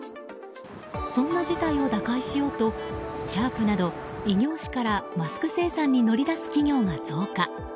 そんな事態を打開しようとシャープなど異業種からマスク生産に乗り出す企業が増加。